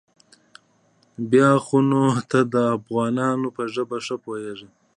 بيا خو نو ته د افغانانو په ژبه ښه پوېېږې.